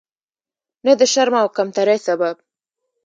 نه د شرم او کمترۍ سبب.